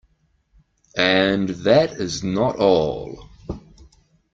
And that is not all.